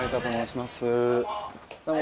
どうも。